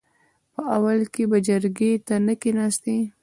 په اول کې به جرګې ته نه کېناستې .